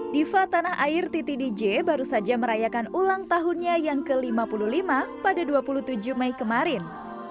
diva tanah air titi dj baru saja merayakan ulang tahunnya yang ke lima puluh lima pada dua puluh tujuh mei kemarin